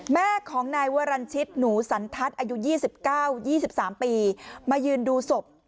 แม่ของนายวรรณชิตหนูสันทัศน์อายุ๒๙๒๓ปีมายืนดูศพ